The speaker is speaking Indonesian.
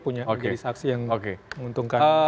punya organisasi yang menguntungkan